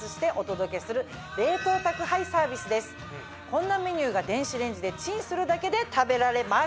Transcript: こんなメニューが電子レンジでチンするだけで食べられます。